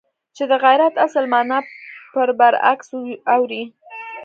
چې د غیرت اصل مانا پر برعکس اوړي.